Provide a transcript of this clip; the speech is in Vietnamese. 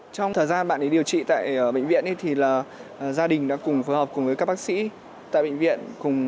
trong thời gian bạn ý điều trị tại bệnh viện thì gia đình đã cùng phối hợp cùng với các bác sĩ tại bệnh viện